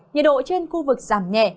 nhiệt độ trên khu vực giảm nhẹ